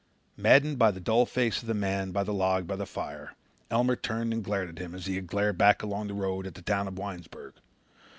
Maddened by the dull face of the man on the log by the fire, Elmer turned and glared at him as he had glared back along the road at the town of Winesburg.